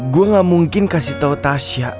gue gak mungkin kasih tahu tasya